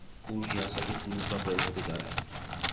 او ریاست گروه را به عهده دارد.